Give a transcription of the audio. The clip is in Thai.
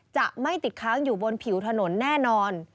จะไม่ติดค้างอยู่บนผิวถนนแน่นอน